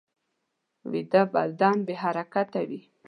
ویده بدن بې حرکته وي